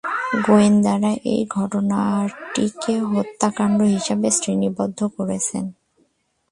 গোয়েন্দারা এই ঘটনাটিকে হত্যাকাণ্ড হিসেবে শ্রেণীবদ্ধ করেছেন।